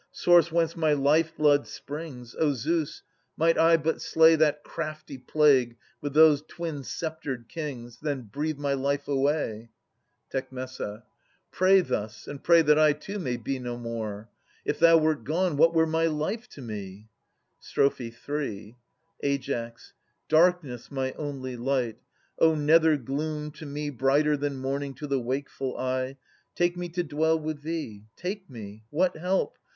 Source whence my life blood springs, O Zeus, might I but slay That crafty plague, with those twin sceptred kings, Then breathe my life away I Tec. Pray thus, and pray that I too be no more ! If thou wert gone, what were my life to me? Strophe III. Ai. Darkness! my only light! O nether gloom, to me Brighter than morntng to the wakeful eye! Take me to dwell with thee. Take me! What help?